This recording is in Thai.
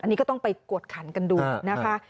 อันนี้ก็ต้องไปกวดขันกันดูนะคะ